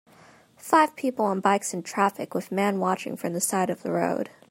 Five people on bikes in traffic with man watching from the side of the road.